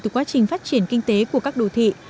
từ quá trình phát triển kinh tế của các đồ thị